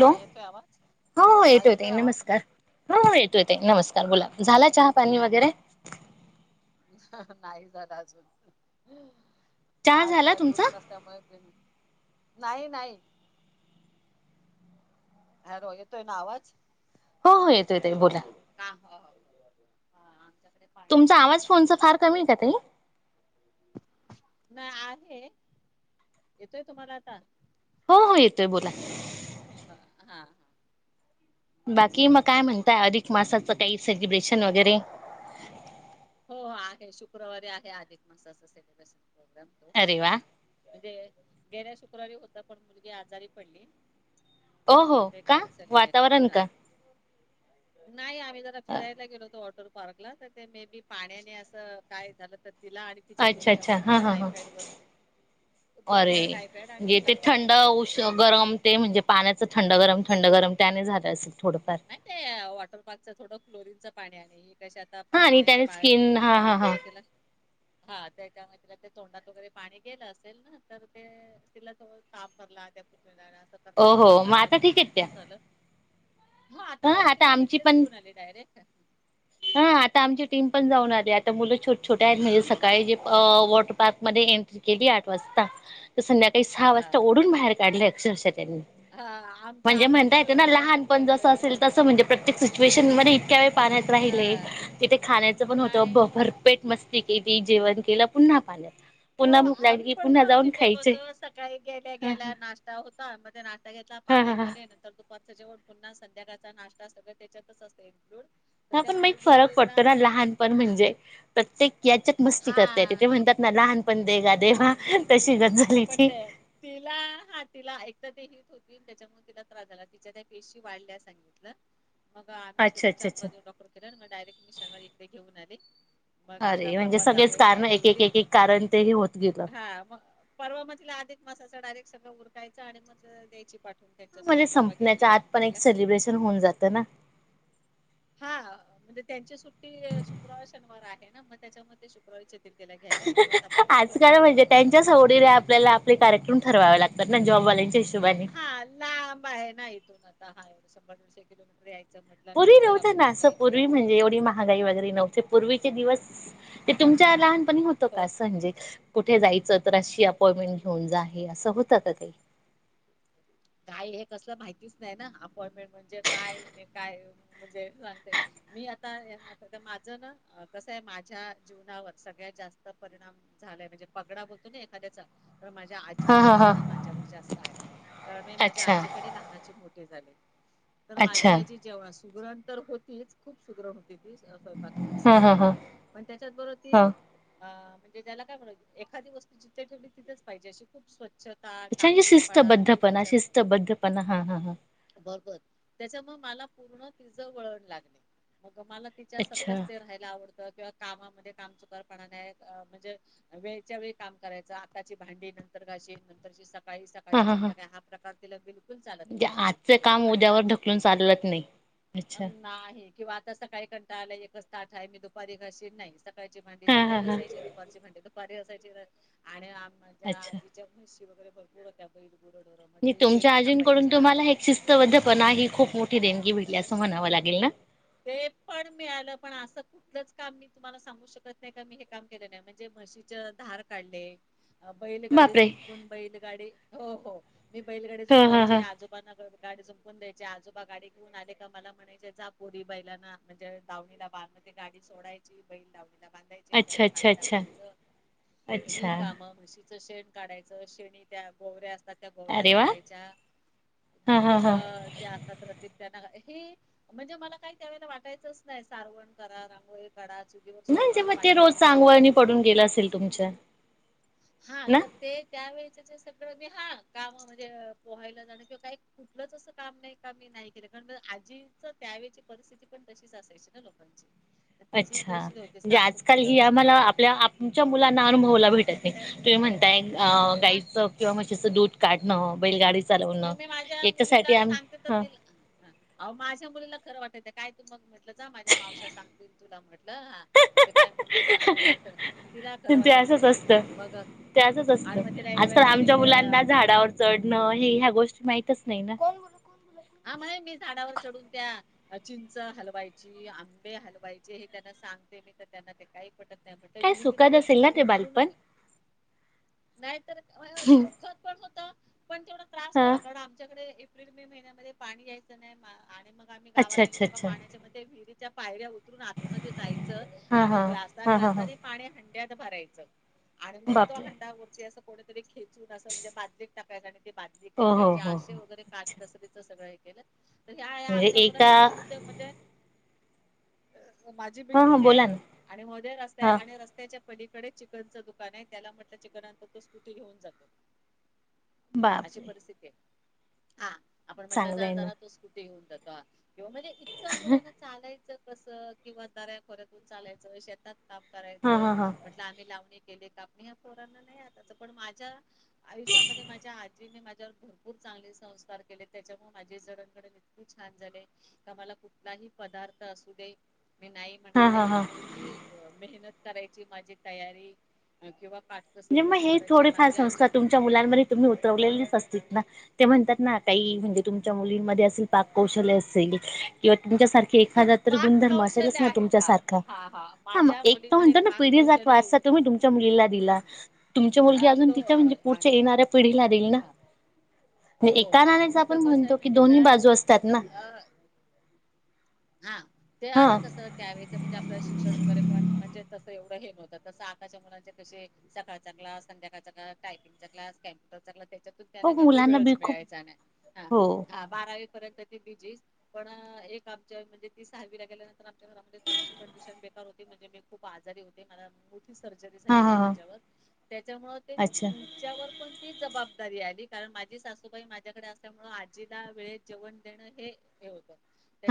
हा हॅलो येतोय आवाज हो हा येतो येत येतोय आवाज नमस्कार हो येतो येत नमस्कार बोला झाला चहा पाणी हा वगैरे नाही झालं अजून. चहा आज झाला काय दूध तुमचा नसल्यामुळे बि नाही नाही. ह रोय तो ए ना आवाज? हो हो येतो येतोय बोला का हो हो हा आमच्याकडे पाणी तुमचा येतं आवाज ना फोनच फार संध्याकाळच कमी आहे का ताई? नाही आहे येतोय तुम्हाला आता? हो हो येतोय बोला. हा हा बाकी मग नमस्कार काय बोला आता म्हणताय अधिक मासाचं काही सेलिब्रेशन? शन वगैरे हो हो आहे शुक्रवारी आहे आधिक मासाचं सेलिब्रेशन. ्र त अरे वा ठेवाचा आहे म्हणजे गेल्या शुक्रवारी होता पण मुलगी आजारी पडली. मग हो ते का कॅन्सल वातावरण केलं का? नाही आम्ही जरा फिरायला गेलो ऑटर पार्कला तर ते मे बी पाण्याने असं काय झालं तर तिला आणि तिच्या अच्छा पुतण्या अच्छा हा दोघींना हा ह टायफाईड वर अरे टायफाईड आणि म्हणजे हिला ते थोडं थंड उ् विष- गरम ते म्हणजे पाण्याच थंड गरम थंड गरम त्याने झालं असे. नाही ते वॉटर पार्कच थोडं क्लोरीनच पाड्याले कसे आता हा पाच आणि महि्याचे त्याने बाळंतीन स्किन हा महिनताना हा हा थोडं तिला हा त्याच्यामध्ये तिला ते तोंडात वगैरे पाणी गेलं असेल ना तर ते तिला ज ताप भरला त्या आणि असं करता करता हो मग पाच सहा आता दिवस ठीकेेत भरपूर त्या झालं हा मग आता तिला मी आमची इकडेच पण घेऊन आले डायरेक्ट हा आता आमची टीम पण जाऊन छ णे सळी व प् एं केली आ संध्या सहा हा वाजता ओढून बाहेर काढलं अक्षरशः त्यांनी हा आमच म्हणजे आमचं म्हणता तस येते ना झालं लहानपण सकाळी जसं असेल तर त म्हणजे प्रत्येक सिच्युएशन म इतक्या वेळ पाण्यात राहिलय हा तिथे खाण्याचं पण होतं नाही हो. भरपेट मस्ती क त जेवण केला पुन्हा पाण्यात हो पुन्हा भूक लागली आम्ही की पण पुन्हा ह जाऊन तिथे गत खायचे सकाळी गेल्या ह गेल्या नाश्ता होता म नाश्ता घेतला ह ह ह पाण्यामध्ये नंत तू जेवट पुन्हा संध्याकाळचा नाश्ता सगळं त्याच्यातच असे ह पण म फरक पडतो ना लहानपण म्हणजे प्रत्येक याच्या मस्ती करतय ते, हा ते म्हणतात ना लहान पण देगा देवा तशी गत झाली आपण ती. ते ठीक होती त्याच्यामुळे तिला त्रास झाला. तिच्या त्या पेशी वाढल्या सांगितलं. मग आम्ही अच्छा तिला अच्छा चार - अच्छा. पाच दिवस डॉक्टर केले, मग डायरेक्ट मी शर्माजी कडे घेऊन आले. मग आता- अरे म्हणजे परवा सगळेच जावई कारण न्यायला एक एक येतील. एक ते एक कारण ते हे होत गेलं. हा म परवा म तिला अधिक मासाचा डायरेक्ट- सगळं उरकायचं आणि मग दयायची पाठ- ह म्हणजे संपण्याच्या आत पण, एक सेलिब्रेशन होऊन जातं ना. हां म्हणजे त्यांची सुट्टी शुक्रवार- शनिवार आहे, ना म त्याच्यामुळे ते शुक्रवारी च येति- आज काल म्हणजे करतो. त्यांच्या सवडीने, आपल्याला आपले कार्यक्रम ठरवावे लागतात नं जॉब वालांच्या हिशोब- हा लांब आहे ना इथून आता हा. शंभर दिडशे किलो मीटर याय- पूर्वी नव्हत ना असं, पूर्वी म्हणजे एवढी महागाई वगैरे नव्हते पूर्वी- ते दिवस ते तुमच्या लहान- पण हे होतं हो का अस म्हंजे. कुठे जायचं तर अशी अपॉइंटमेंट घेऊन जा, हे असं होत का काही? काय हे कसलं माहितीच नाही ना, अपॉइंटमेंट म्हणजे काय? काय म्हणजे सांगते मी आता आ माझ ना कसं आहे. माझ्या जीवनावर सगळ्यात जास्त परिणाम झालाय म्हणजे पगडा होतो ना एखाद्याचा- तर माझ्या हा आजीचा हा हा पगडा माझ्यावर जास्त आहे. कारण मी माझ्या अच्छा आजीकडे लहानाची मो- झाले. तर माझी अच्छा आजी जेव्हा - सुग्रण तर होतीच. खूप सुग्रण हो- स्वयंपाक वगरे हा हा हा सगळच्यात पण त्याच्यातबरोबर हा ती. अम्म- म्हणजे त्याला काय म्हण एखादी वस्त जिथे ठेवली तिथच पाहिजे अशी खूप स्वचछ- टाप टिपपणा पडा हे - शिस्तबद्ध पणा हा हा ह. बरोबर त्याच्यामुळे मला पूर्ण तिच वळण लागणे. मला अच्छा तिच्यासारखंच ते राहायला आवडतं. किंवा कामा [unintelligible] म् काम चुकारपणा म्हंजे वेळच्यावेळी काम करायच आत्ताची भांडी नंतर घाशी नंतर स- काळी हा सकाळच्या हा संध्याकाळी हा- स्वातीला बी - चाल म्हणजे आजचं काम नव मा उद्यावर ढकलून चालत नाही अच्छा नाही किंवा आता सकाळी कंटा आला ताट आहे मी दुपारी छाशीन. नाही- कायची भांडी हा हा सकाळी हा घासायची दुपारची भांडे दुपारी असायची रा आणि माझ्या अच्छा आजीच्या पाशी वैगरे भरपूर होत्या बैल, गुर-ढोर तुमच्या आजींकडून तुम्हाला हे एक शिस्तबद्धपणा ही खूप मोठी देणगी भेटली आस म्हणाव लागेल ना ते पण मिळालं पण आसं कुठलंच काम मी तुम्हाला सांगू शकत नाही का मी हे काम केले नाही म्हणजे म्हशीच धार काढले बैलगाडी बापरे झुपून बैलगाडी हो, हो मी बैलगाडी हा हा हा झूपायचे आजोबांना [unintelligible] गाडी झूपून द्यायचे आजोबा गाडी घेऊन आले का मला म्हणायचे जा पोरी बैलाना म्हणजे डावणीला बांद ते गाडी सोडायची बैल डावणी नीला बांधायचे अच्छा त्यांना अच्छा पाणी अच्छा दाखवायचं ही अच्छा काम म्हशी शेण काढायचं शेणी त्या बोवऱ्या त्या गोवऱ्या अरे वा थापायच्या हा हा दूध हा ते असतात तर ते त्याना म्हणजे मला काही त्यावेळेला वाटायचंच नाही सारवण करा, रांगोळी काढा, चुलिवर म्हणजे स्वयंपाक, मग ते पाट्यावर रोज अंगवळणी वाटपटण पडून गेलं असेल तुमच्या हा ना तर ते त्यावेळेच जे सगळं मी हा काम म्हणजे पोहायला जाणं किंवा काही कुठलंच असं काम नाही का मी नाही केलं कारण आजी तर त्यावेळेची परिस्थिती पण तशीच असायची ना लोकांची तर तिची अच्छा तशी होती म्हणजे सात आजकाल ही मुलं आम्हाला आपल्या आमच्या मुलांना अनुभवाला भेटत तुम्ही म्हणताय ना गाईचं किंवा म्हशीच दूध काढणं बैलगाडी चालवणं मग मी माझ्या याच्यासाठी मुलीला आम सांगते तर, ह ती माझ्या मुलीला खरं वाटत काय तू मग म्हटल जा माझ्या मावश्या सांगतील तुला म्हटलं हा, म्हणते काय मम्मी सांगते जा खरं तिला खरं ते वाटत असंच नाही. असतं मग ते असंच आण मग तिला असतं एक आजकाल वेळेला मी आमच्या ते अ मुलांना झाडावर चढणं हे ह्या गोष्टी माहितच नाही ना? हा [unintelligible] मी झाडावर चढून त्या् अ चिंच हलवायची, आंबे हलवायचे हे त्यांना सांगते मी, तर त्यांना ते काही पटत नाही म्हटल काय सुखात विहिरीमध्ये असेल ना खाली ते उतरून बालपण आम्ही, नाही तर होय-होय सुखद पण होत पण तेवढा त्रास हा होता कारण आमच्याकडे [unintelligible] एप्रिल मे महिन्यामध्ये पाणी यायचं नाही मा आणि मग आम्ही अच्छा गावाला अच्छा गेलो का? अच्छा पाण्याच्या म ते विहिरीच्या पायऱ्या ऊ उतरून आत मध्ये जायचं, हा आणि हा हा हा हा ग्लासा-ग्लासाने पाणी हांड त्यात भरायचं आणि मग तो बापरे हंडा गुरुजी असं थोडं तरी खे म्हणजे असं म्हणजे बादलीत [unintelligible] बादली हो हो खेचायचे हो आशे हो वगैरे अच्छा काटकसरीत सगळं आहे केलं ह्या ह्या म्हणजे आमच्या एका मुलाने [unintelligible] तुम्ही तर म्हणजे [unintelligible] माझी हा हा बिल्डिंगय, बोला ना आणि मध्ये रस्ताय हा आणि रस्त्याच्या पलीकडे चिकनचं दुकानय, त्याला म्हटलं चिकन आण, तो स्कूटी घेऊन जातो अशी बापरे परिस्थितीय. हा आपण म्हटलं चांगलं जा आहे ना जरा तो स्कू [unintelligible] किंवा म्हणजे इतकं मुलांना चालाय यच कस किंवा दऱ्या खोऱ्यातून चालायचं शेतात काम हा करायचं. हा हा म्हटलं आम्ही लावणी केले काम ह्या पोरांना नाही आताच पण माझ्या आयुष्यामध्ये माझ्या आजीने माझ्यावर भरपूर चांगले संस्कार केले. त्याच्यामुळे, माझे जडणघडण इतकी छान झाले की, मला कुठलाही पदार्थ असू दे मी नाही हा म्हणाने हा हा कितीही मेहनत करायची माझी तयारी किंवा काटकसर म्हणजे मग कशी हे करायची थोडेफार माझी आजी संस्कार तुमच्या मुलांमध्ये तुम्ही उतरवलेलेच असती ना? ते म्हणतात ना काही म्हणजे तुमच्या मुलींमध्ये असेल पाक कौशल्य असेल किंवा तुमच्यासारखे एखादा तर पाक गुणधर्म असेलच कौशल्य ना? आहे हा तुमच्यासारखा हा हा मग माझ्या एक तर मुलीमध्ये म्हणतो ना पाक पिढी जात कौशल्य वारसा एवढ तुम्ही तुमच्या मुलीला दिला तुमच्या मुलगी अ अजून तो तिथे म्हणजे आहे पुढच्या आहे. येणाऱ्या पिढीला देईल ना? हा हो एका नाण्याच आपण तिचं कसं आहे म्हणतो की माहितीये दोन्ही काय बाजू असतात ना अ हा ते हा आता कसं त्यावेळेचं म्हणजे आपलं शिक्षण वगैरे कोण म्हणजे तसं एवढं तस आत्ताच्या मुलां कसे सकाळचा क्लास, संध्याकाळ क्लास टायपिंगला, कम्प्युटरकचा क्लास हो त्यांना काही मुलांना बी वेळच खूप मिळायचा नाही हा हो हा बारावी तर ते बिझी पण एक जय म्हणजे ती सहावी ला गेल्या नंतर आमच्या घरामध्ये थोडीशी कंडिशन बेकार होती म्हणजे मी खूप आजारी होते मु सर्जरी हा झाली हा होती हा माझ्यावर त्याच्यामुळं अच्छा त्यांच्यावर पण ती जबाब दारी आली कारण माझी सासूबाई माझ्याकडे असल्यामुळं आजीला वेळेत जेवण देणं हे हे होतं.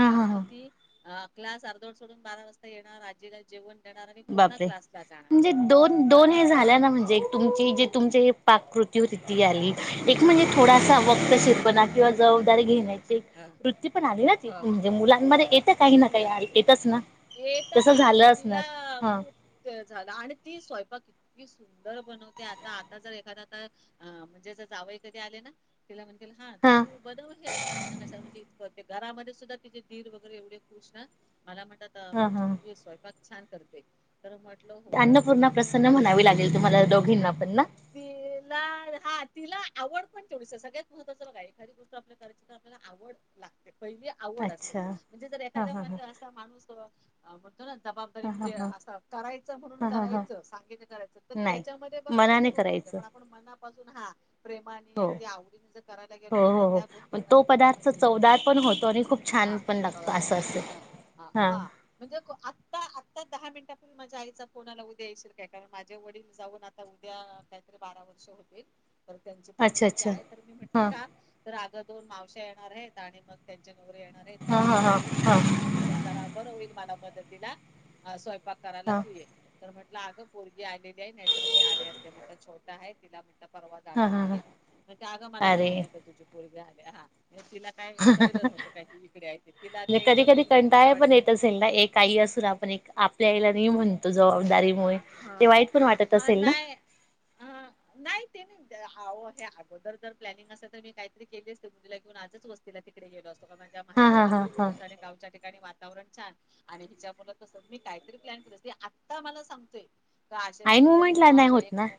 हा हा हा ती अ क्लास अर्धवट सोडून बारा वाजता येणार आजीला जेवण देणार आणि पुन्हा बापरे क्लासला जाणार. म्हणजे दोन आणि दोन मग हे त्या झाल्या ना म्हणजे तुमची जे तुमचे हे पाकृत रुती आली एक म्हणजे थोडासा अ, वक्तशिरपणा किंवा अ, अ, जबाबदारी घेण्याची हं, वृत्ती पण आली ना ती हं, म्हणजे हं. मुलांमध्ये. काही ना काही तिच्या येतच ना. येत तसं हात झालं असणार तिला हा खूप वेळ झाला आणि ती स्वयंपाक की सुंदर बनवते आता आता जर एखादा आता अ म्हणजे जर जावई कधी आले ना तिला म्हण हा तू बनव हे मम्मी ना कशाला हे कर घरामध्ये सुद्धा दिर वगैरे एवढे खुश ना मला म्हट हा तुमची हा मुलगी स्वयंपाक छान करते. तर म्हटलं हो कारण अन्नपूर्णा तिच्या ते, प्रसन्न म्हणावी लागेल तुम्हाला ह दोघींना पण ना तिला ह तिला आवड पण तेवढी आहे सगळ्यात महत्वाचा बघा एखादी गोष्ट आपल्या करायची तर आपल्याला आवड लागते. पहिली आवड असते अच्छा म्हणजे जर हा एखाद्या हा हा म्हणजे असा माणूस आ म तो ना जबाबदारी हा हा म्हणजे हा असं करायचं म्हणून हा हा हा करायचं सांगे ते करायचं तर नाही त्याच्यामध्ये बघा ते ते मनाने होत राहते करायचं पण आपण मनापासून हा प्रेमानी हो अगदी आवडीने जर करायला हो गेलो ना हो तर त्या हो तो गोष्टीमध्ये बघा पदार्थ म्हणजे हे असतं चवदार पण होतो आणि खूप हा छान पण हा लागतो असं असे. हा हा हा म्हणजे आता आता दहा मिनिटा माझ्या आईचा फोन आला उद्या येशील काय कारण माझ्या वडील जाऊन आता उद्या काहीतरी बारा वर्ष होतील. तर त्यांची पुण्य अच्छा तिथी अच्छा आहे तर मी म्हटलं हा का तर अग दोन माव श्या येणार आहेत आणि मग त्यांच्या येणारेत मग हा हा माझ्या हा हाताशी हा कोण आलीस तर होईल मला मदतीला अ स्वय पाक करायला हा तू ये तर म्हट - ला गं पोरगी आलेली आहे नाहीतर मी आले असते म्हट छोटा आहे तिला म्हट परवा हा जाणार हा आहे हा ते आगं मला अरे माहिती नव्हतं तुझी पोरगी आहे. [unintelligible] तिला काय कळलं नव्हतं काय इकडेय ते तिला म्हणजे ते कधी कधी जमलिंग झालं. कंटाळा पण वाटतंय येत असेल ना एक आई असून आपण एक आप काही वेळेला मी म्हणतो जबाबदारी हां हां नाय हं नाय ते मी ते अहो हे अगोदर जर प्लॅनिंग असल तर, मी काही तरी केली असते. मुलीला घेऊन आजच वस्तीला तिकडे गेलो असते. अ माझ्या हा माहेरचं हा घर हा खूप हा मोठ आहे. गावच्या ठिकाणी मा वातावरण छान आणि हिच्या मुळ तस मी काही तरी प्लॅन केले असते ती आता मला सांग का अशे अशे आईन उद्या दोन मुमेंटला नाही मावश्या होत ना एक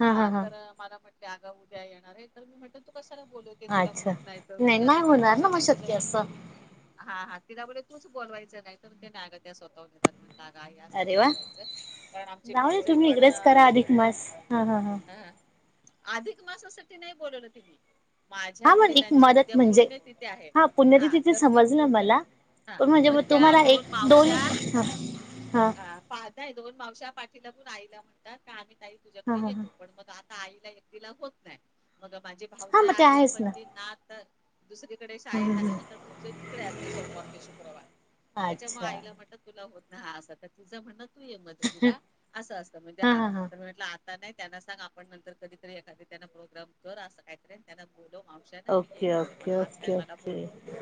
हा तर मला प त्या ग उद्या येणार आहे. तर मी म्हटल कशाला बोलवतेय तुला अच्छा होत नाय त, नाही तुझी आता नाही होणार ना कंडिशन मग नाय ते सर्व शक्य असं हां हां. तिला बोलले तूच बोलवायचं नाही तर, ते नाय ऐकत ते स्वतः हून येतात. काग आई असं अरे नाही वा करायच. जाऊ दे तुम्ही इकडेच करा अधिक मास हा- हा-हा. अधिक मासासाठी नाही बोलवलं तिनी. माझ्या हा मग एक वडिलांची मदत उद्या म्हणजे पुण्य तिथी आहे. हा पुण्यतिथी ते तर ती समजलं पुण्य मला हा पण म्हणजे म मग त्या तुम्हाला एक दोन मावश्या हा हा दोन मावशा पाठीलागून आईला म्हणतात का ताई हा हा तुझ्याकडे हा येतो पण मग आ आईला एकटीला होत नाय. मग माझी हा भाऊजय मग ते आहे, आहेच पण ना ती नात दुसरीकडे शाळेत आहे ना तर भाऊजय तिकडे असते. सोमवार ते शुक्रवार त्याच्यामुळे अच्छा आईला म्हटलं तुला होत हा असं तर तिच म्हणण- तू ये मदतीला असं असतं, म्हंजे हा तर म्हटलं त नाही त्यांना सांग आपण नंतर कधी तरी एखाद त्यांना प्रोग्राम कर अस काय ततरी त्यांना- बोलो मावशांना मी एक ओके कळाल पण, ओके आज काय ओके मला बोलू ओके नको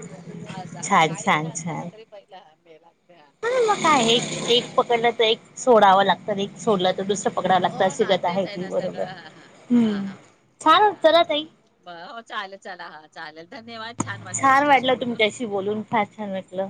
आज हा छान काहीही असलं ना तरी पहिला मेलाय. हम्म मग काय एक -एक पकडल तर एक- सोडाव लागत, एक सोडल तर दुसरं प हो ना तेच आहे ना सगळं. हा हा छान हा चला ताई ब हो चालेल चला हा चालेल धन्यवाद छान वाटलं तुमच्याशी बोलून. तुमच्याशी बोलून फार छान वाटलं